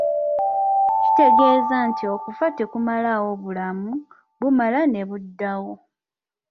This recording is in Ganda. "Kitegeeza nti okufa tekumalaawo bulamu, bumala ne buddawo."